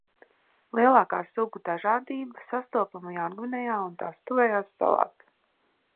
Lielākā sugu dažādība sastopama Jaungvinejā un tās tuvējās salās.